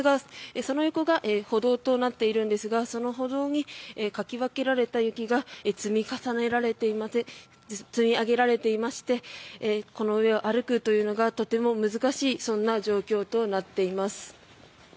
その横が歩道となっているんですがその歩道にかき分けられた雪が積み上げられていましてこの上を歩くというのがとても難しいそんな状況となっています。